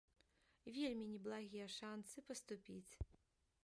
Вельмі неблагія шанцы паступіць!